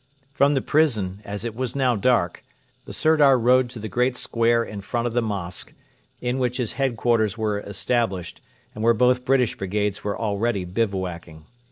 From the prison, as it was now dark, the Sirdar rode to the great square in front of the mosque, in which his headquarters were established, and where both British brigades were already bivouacking.